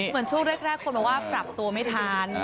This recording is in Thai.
เหมือนช่วงแรกคนบอกว่าปรับตัวไม่ทัน